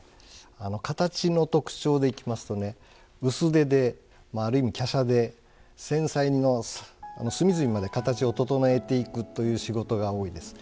形の特徴でいきますとね薄手である意味きゃしゃで繊細の隅々まで形を整えていくという仕事が多いです。